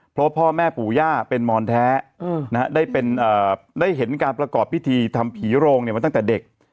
เพราะพ่อแม่ปู่ย่าเป็นมอนแท้อืมนะฮะได้เป็นเอ่อได้เห็นการประกอบพิธีทำผีโรงเนี่ยมาตั้งแต่เด็ก